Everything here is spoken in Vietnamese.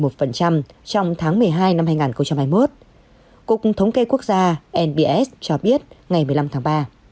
trong tháng một mươi hai năm hai nghìn hai mươi một cục thống kê quốc gia nbs cho biết ngày một mươi năm tháng ba